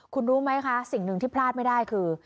คุณรู้ไหมคะสิ่งหนึ่งที่พลาดไม่ได้คือ